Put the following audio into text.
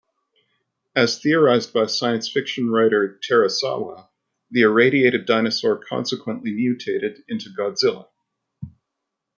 As theorized by science fiction writer Terasawa, the irradiated dinosaur consequently mutated into Godzilla.